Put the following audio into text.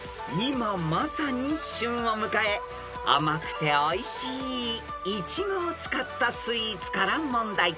［今まさに旬を迎え甘くておいしいイチゴを使ったスイーツから問題］